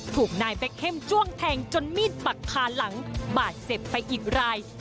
ถูกนายแบ็คเข้มจ้วงแทงจนมีดปักคาหลังบาดเจ็บไปอีกราย